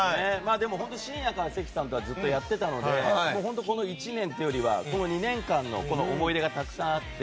深夜から関さんとはずっとやっていたのでこの１年というよりはこの２年間の思い出がたくさんあって。